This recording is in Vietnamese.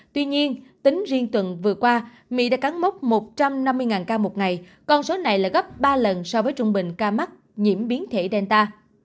tuy nhiên tính riêng tuần vừa qua mỹ đã cắn mốc một trăm năm mươi ca một ngày con số này là gấp ba lần so với trung bình ca mắc nhiễm biến thể danta